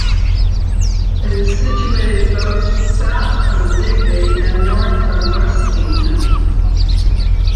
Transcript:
It is situated both south from Digby and north from Ruskington.